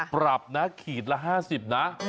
ปรับนะขีดละ๕๐นะ